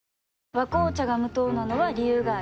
「和紅茶」が無糖なのは、理由があるんよ。